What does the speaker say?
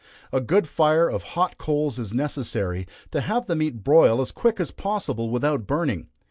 A good fire of hot coals is necessary to have the meat broil as quick as possible without burning.